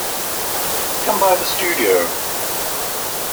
Come by the studio.